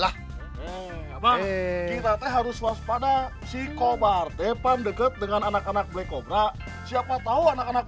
harus waspada si kobar depan deket dengan anak anak black cobra siapa tahu anak anak